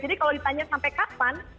jadi kalau ditanya sampai kapan